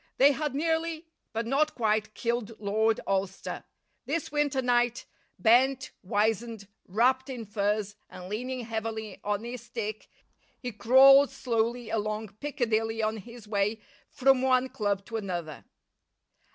They had nearly, but not quite, killed Lord Alcester. This winter night, bent, wizened, wrapped in furs, and leaning heavily on his stick, he crawled slowly along Piccadilly on his way from one club to another.